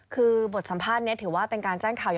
คือบทสัมภาษณ์นี้ถือว่าเป็นการแจ้งข่าวใหญ่